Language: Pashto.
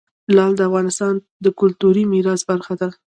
لعل د افغانستان د کلتوري میراث برخه ده.